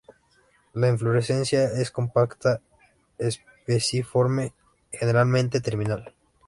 La inflorescencia es compacta, espiciforme, generalmente terminal.